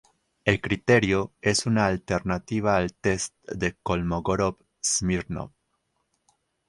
El criterio es una alternativa al test de Kolmogorov-Smirnov.